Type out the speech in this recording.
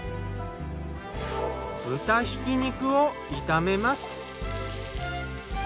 豚ひき肉を炒めます。